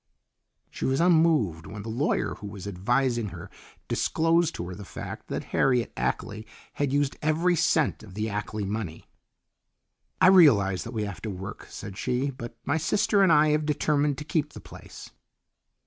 She was unmoved when the lawyer who was advising her disclosed to her the fact that Harriet Ackley had used every cent of the Ackley money. "I realize that we have to work," said she, "but my sister and I have determined to keep the place."